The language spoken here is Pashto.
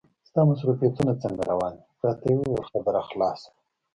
ستاسې مصروفیتونه څنګه روان دي؟ راته یې وویل خبره خلاصه ده.